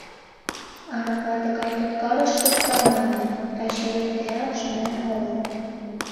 Арака тыгай туткарыш шукта манын, таче йоктеат шонен омыл.